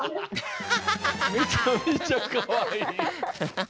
めちゃめちゃかわいい。